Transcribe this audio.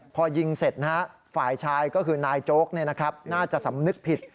พอยิงเสร็จฝ่ายชายก็คือนายโจ๊กน่าจะสำนึกผิด